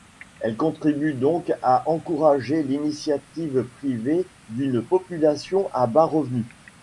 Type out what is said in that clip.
Elle contribue donc à encourager l'initiative privée d'une population à bas revenu.